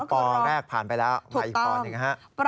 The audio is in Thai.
ปแรกผ่านไปแล้วมาอีกปหนึ่งนะฮะ